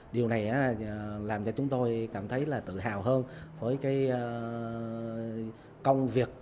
điều này làm cho chúng tôi cảm thấy là tự hào hơn với cái công việc